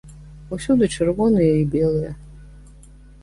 Усюды чырвоныя і белыя.